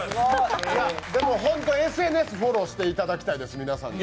ＳＮＳフォローしていただきたいです。